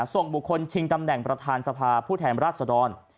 ส่งบุคคลชิงตำแหน่งประธานสภาผู้แทนราชดร